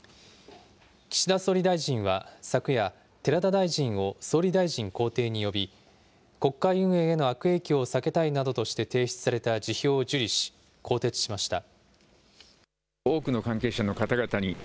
岸田総理大臣は昨夜、寺田大臣を総理大臣公邸に呼び、国会運営への悪影響を避けたいなどとして提出された辞表を受理し、更迭しました。